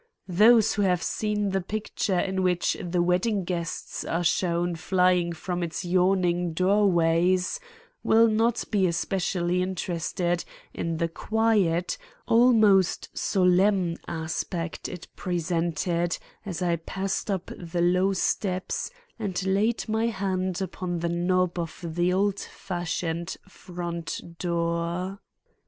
Those who have seen the picture in which the wedding guests are shown flying from its yawning doorway, will not be especially interested in the quiet, almost solemn aspect it presented as I passed up the low steps and laid my hand upon the knob of the old fashioned front door.